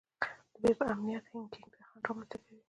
د ویب امنیت هیکینګ ته خنډ رامنځته کوي.